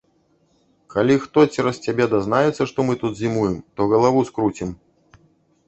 Калі хто цераз цябе дазнаецца, што мы тут зімуем, то галаву скруцім.